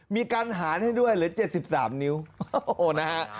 มีการหารให้ด้วยหรือ๗๓นิ้วโอ้โหนะฮะ